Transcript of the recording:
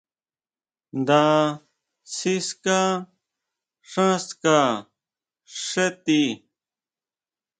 Nda sika xán ska xé tii.